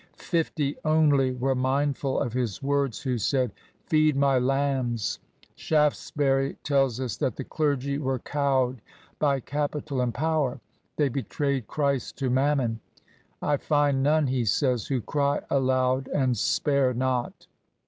Fifty only were mindful of His words who said, ' Feed my lambs !' Shaftesbury tells us that the clergy were cowed by capital and power. They betrayed Christ to Mammon !* I find none/ he says, * who cry aloud and spare not